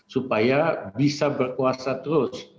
supaya bisa berkuasa terus